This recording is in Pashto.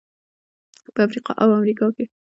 په افریقا او امریکا کې.